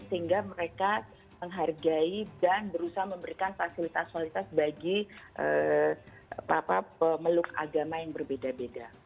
sehingga mereka menghargai dan berusaha memberikan fasilitas fasilitas bagi para pemeluk agama yang berbeda beda